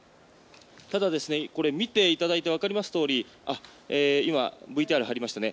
ただ、見ていただいてわかりますとおり今、ＶＴＲ入りましたね。